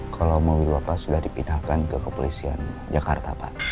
kalau mobil apa sudah dipindahkan ke kepolisian jakarta pak